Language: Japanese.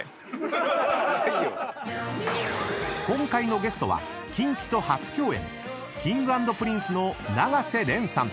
［今回のゲストはキンキと初共演Ｋｉｎｇ＆Ｐｒｉｎｃｅの永瀬廉さん］